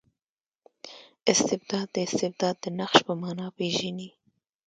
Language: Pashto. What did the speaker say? استبداد د استبداد د نقش په مانا پېژني.